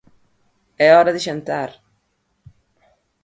É hora de xantar.